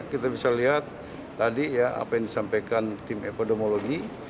kita bisa lihat tadi ya apa yang disampaikan tim epidemiologi